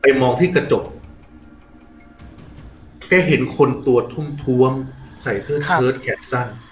มองที่กระจกแกเห็นคนตัวทุ่มท้วมใส่เสื้อเชิดแขนสั้น